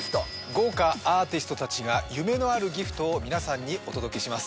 豪華アーティストたちが夢のあるＧＩＦＴを皆さんにお届けします